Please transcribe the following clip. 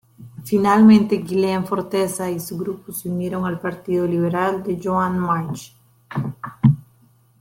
Finalmente Guillem Forteza y su grupo se unieron al Partido Liberal de Joan March.